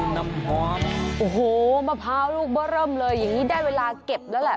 น้ำหอมโอ้โหมะพร้าวลูกเบอร์เริ่มเลยอย่างนี้ได้เวลาเก็บแล้วแหละ